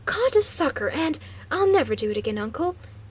"Caught a sucker, and I'll never do it again, uncle!"